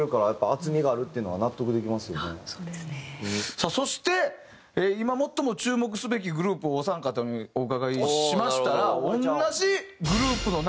さあそして今最も注目すべきグループをお三方にお伺いしましたら同じグループの名前が。